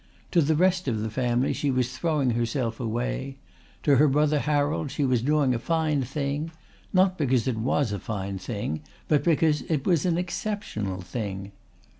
To the rest of the family she was throwing herself away; to her brother Harold she was doing a fine thing, not because it was a fine thing but because it was an exceptional thing.